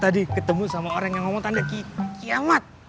tadi ketemu sama orang yang ngomong tanda kiamat